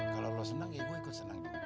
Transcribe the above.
kalau lu senang ya gue ikut senang juga